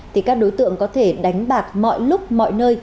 thì các đối tượng có thể đánh bạc mọi lúc mọi nơi